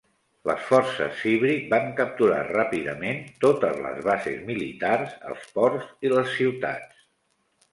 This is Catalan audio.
Les forces Cybrid van capturar ràpidament totes les bases militars, els ports i les ciutats.